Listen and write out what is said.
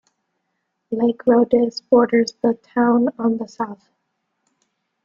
Lake Rhodhiss borders the town on the south.